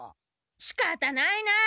しかたないな。